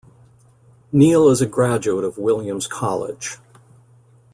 Neil is a graduate of Williams College.